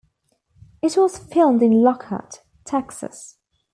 It was filmed in Lockhart, Texas.